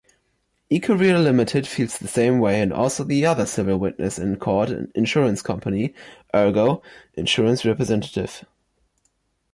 EKOVIR Ltd feels the same way and also the other civil witness in court an insurance company Ergo insurance representative.